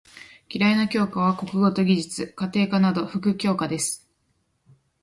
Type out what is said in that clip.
嫌いな教科は国語と技術・家庭科など副教科です。